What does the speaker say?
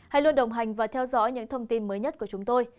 hãy luôn đồng hành và theo dõi những thông tin mới nhất của chúng tôi